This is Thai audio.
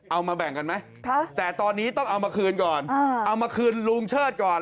เอามาแบ่งกันไหมแต่ตอนนี้ต้องเอามาคืนก่อนเอามาคืนลุงเชิดก่อน